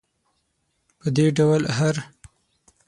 په دې ډول دی هر.